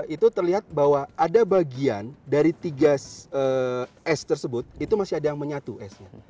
itu terlihat bahwa ada bagian dari tiga es tersebut itu masih ada yang menyatu esnya